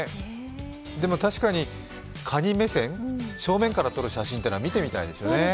でも確かに、かに目線正面から見る写真っていうのは見てみたいですね。